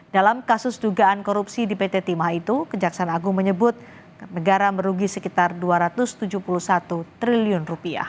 dalam kasus dugaan korupsi di pt timah itu kejaksaan agung menyebut negara merugi sekitar rp dua ratus tujuh puluh satu triliun